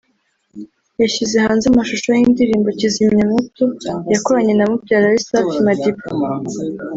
yashyize hanze amashusho y’indirimbo ‘Kizimyamwoto’ yakoranye na mubyara we Safi Madiba